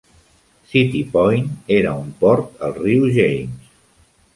City Point era un port al riu James.